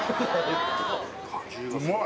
うまい。